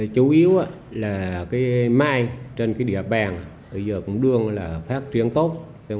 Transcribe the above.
chủ yếu là cái mai trên cái địa bàn bây giờ cũng đương là phát triển tốt